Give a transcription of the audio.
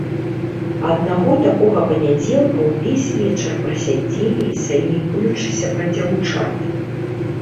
Аднаго такога панядзелка ўвесь вечар праседзелі саймікуючыся пра дзяўчат.